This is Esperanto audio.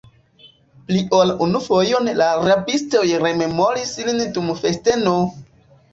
Pli ol unu fojon la rabistoj rememoris lin dum festeno!